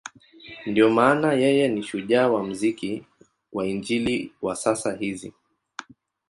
Ndiyo maana yeye ni shujaa wa muziki wa Injili wa sasa hizi.